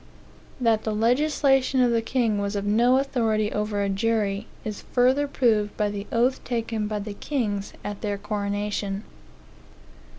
That the legislation of the king was of no authority over a jury, is further proved by the oath taken by the kings at their coronation.